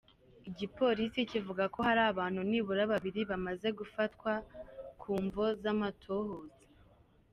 Igipolisi kivuga ko hari abantu nibura babiri bamaze gufatwa ku mvo z'amatohoza.